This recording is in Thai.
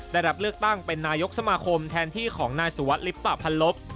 ได้รับเลือกตั้งเป็นนายกสมาคมแทนที่ของนายสุวัสดิลิปปะพันลบ